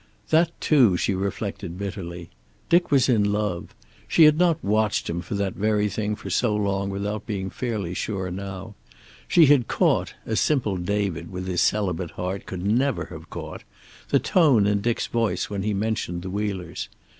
That, too, she reflected bitterly! Dick was in love. She had not watched him for that very thing for so long without being fairly sure now. She had caught, as simple David with his celibate heart could never have caught, the tone in Dick's voice when he mentioned the Wheelers.